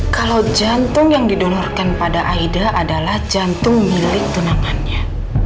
kalau jantung yang didonorkan pada aida adalah jantung milik tunangannya